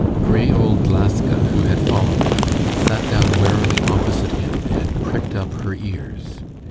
Gray old Laska, who had followed them, sat down warily opposite him and pricked up her ears.